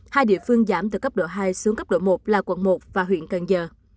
hai địa phương giảm từ cấp độ hai xuống cấp độ một là quận một và huyện cần giờ